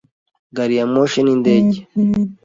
gari ya moshi n'indege